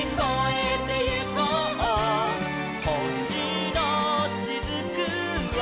「ほしのしずくは」